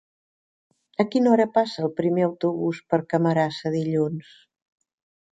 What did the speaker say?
A quina hora passa el primer autobús per Camarasa dilluns?